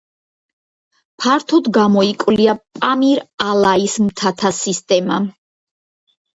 ფართოდ გამოიკვლია პამირ-ალაის მთათა სისტემა.